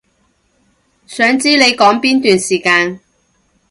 想知你講邊段時間